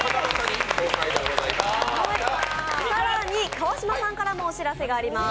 更に、川島さんからもお知らせがあります。